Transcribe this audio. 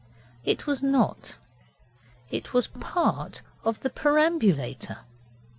It was not it was part of the perambulator.